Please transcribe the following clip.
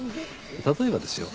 例えばですよ。